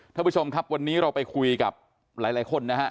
ท่านผู้ชมครับวันนี้เราไปคุยกับหลายคนนะฮะ